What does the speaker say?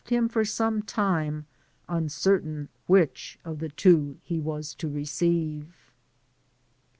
183 him for some time, uncertain which of the two he was to receive.